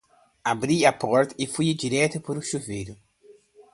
Abri a porta e fui direto pro chuveiro.